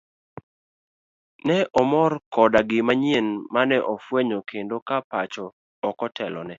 Ne omor koda gima nyien mane ofwenyo kendo ka pacho okotelone.